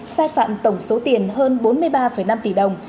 sai phạm tổng số tiền hơn bốn mươi ba năm tỷ đồng